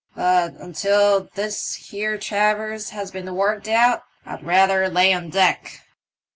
But until this here traverse has been worked out I'd rather lay on deck.